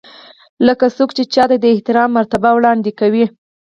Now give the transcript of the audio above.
لکه څوک چې چاته د احترام مراتب وړاندې کوي.